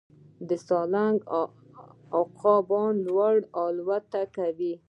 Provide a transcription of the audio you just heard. د سالنګ عقابونه لوړ الوت کوي